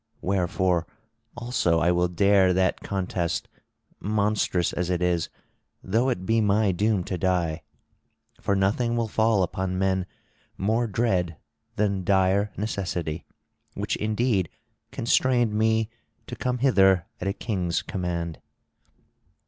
Wherefore also I will dare that contest, monstrous as it is, though it be my doom to die. For nothing will fall upon men more dread than dire necessity, which indeed constrained me to come hither at a king's command."